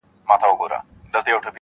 دانه دانه سومه له تاره وځم,